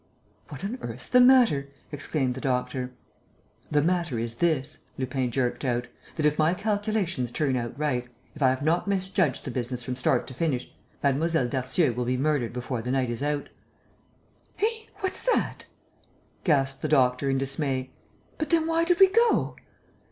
"What on earth's the matter?" exclaimed the doctor. "The matter is this," Lupin jerked out, "that, if my calculations turn out right, if I have not misjudged the business from start to finish, Mlle. Darcieux will be murdered before the night is out." "Eh? What's that?" gasped the doctor, in dismay. "But then why did we go?"